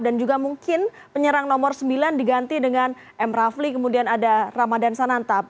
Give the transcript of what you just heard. dan juga mungkin penyerang nomor sembilan diganti dengan m rafli kemudian ada ramadan sanantab